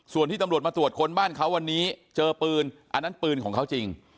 ส่วนที่ตำรวจมาตรวจคนบ้านเขาวันนี้เจอปืนอันนั้นปืนของเขาจริง